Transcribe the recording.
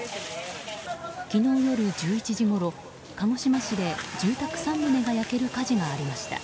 昨日夜１１時ごろ、鹿児島市で住宅３棟が焼ける火事がありました。